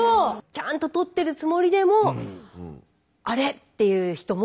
ちゃんととってるつもりでもあれ？っていう人も多いんです。